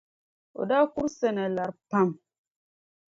O daa kuri Sana lari pam.